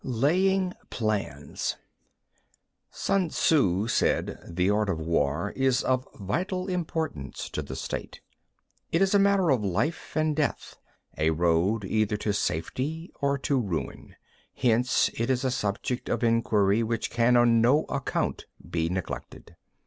LAYING PLANS 1. Sun Tzŭ said: The art of war is of vital importance to the State. 2. It is a matter of life and death, a road either to safety or to ruin. Hence it is a subject of inquiry which can on no account be neglected.